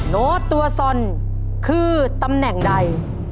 โน้ตตัวซอนคือตำแหน่งใด